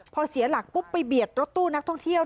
พอเสียหลักปุ๊บไปเบียดรถตู้นักท่องเที่ยว